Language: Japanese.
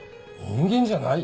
人間じゃない？